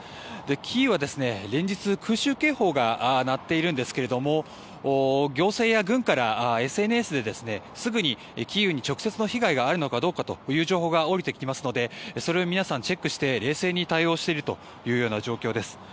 キーウは連日、空襲警報が鳴っているんですけれども行政や軍からＳＮＳですぐにキーウに直接の被害があるのかどうかという情報が下りてきますのでそれを皆さんチェックして冷静に対応しているというような状況です。